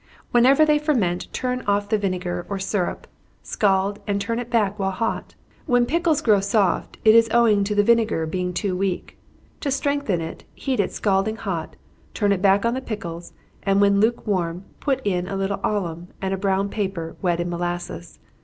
Whenever they ferment, turn off the vinegar or syrup, scald and turn it back while hot. When pickles grow soft, it is owing to the vinegar being too weak. To strengthen it, heat it scalding hot, turn it back on the pickles, and when lukewarm, put in a little alum, and a brown paper, wet in molasses.